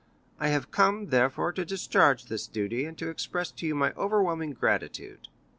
I have come, therefore, to discharge this duty, and to express to you my overwhelming gratitude."